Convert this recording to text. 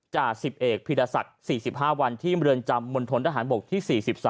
จากสิบเอกพิราษัท๔๕วันที่เมืองจำมณฑลตะหารบกที่๔๓